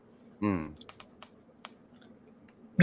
อืม